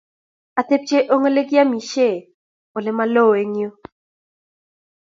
Atepche eng olegiamishen ole maloo eng yuu